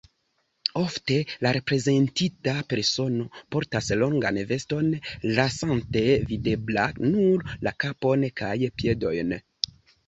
Ofte la reprezentita persono portas longan veston, lasante videbla nur la kapon kaj piedojn.